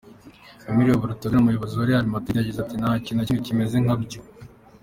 Emilio Butragueno, umuyobozi wa Real Madrid, yagize ati: "Nta kintu na kimwe kimeze nkabyo.